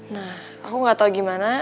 nah aku gak tau gimana